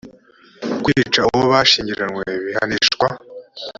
kwica uwo bashyingiranywe bihanishwa